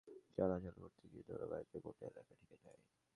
ভাঙাচোরা সড়ক দিয়ে যানবাহন চলাচল করতে গিয়ে ধুলাবালিতে গোটা এলাকা ঢেকে যায়।